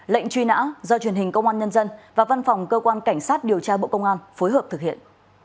lệnh truy nã do truyền hình công an nhân dân và văn phòng cơ quan cảnh sát điều tra bộ công an phối hợp thực hiện